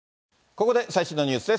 ここで最新のニュースです。